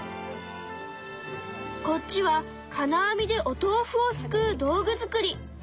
こっちは金網でおとうふをすくう道具作り。